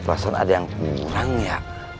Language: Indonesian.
perasaan ada yang kurang ya